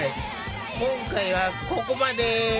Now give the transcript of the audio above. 今回はここまで。